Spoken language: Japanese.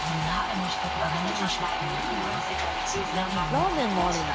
ラーメンもあるんだ。